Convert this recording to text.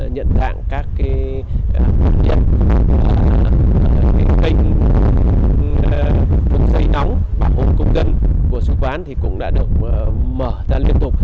nhận dạng các cái khuẩn nhận kênh dây nóng bảo hộ công dân của sứ quán thì cũng đã được mở ra liên tục